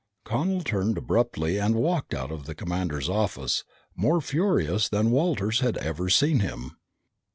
Connel turned abruptly and walked out of the commander's office, more furious than Walters had ever seen him.